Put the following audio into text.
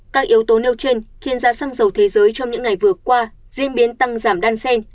các yếu tố nêu trên khiến giá xăng dầu thế giới trong những ngày vừa qua diễn biến tăng giảm đan sen